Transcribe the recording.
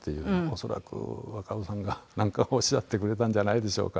恐らく若尾さんがなんかおっしゃってくれたんじゃないでしょうか。